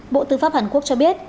bộ tư pháp hàn quốc cho biết